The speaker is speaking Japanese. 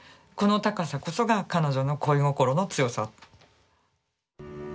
この高さこそが彼女の恋心の強さ。